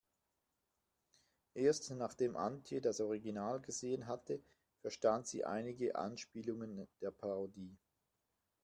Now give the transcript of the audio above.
Erst nachdem Antje das Original gesehen hatte, verstand sie einige Anspielungen der Parodie.